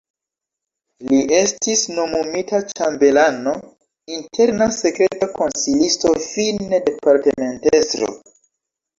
Li estis nomumita ĉambelano, interna sekreta konsilisto, fine departementestro.